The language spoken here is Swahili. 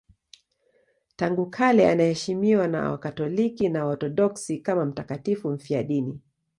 Tangu kale anaheshimiwa na Wakatoliki na Waorthodoksi kama mtakatifu mfiadini.